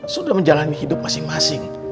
sudah menjalani hidup masing masing